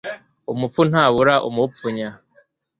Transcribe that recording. umupfu ntabura umupfunya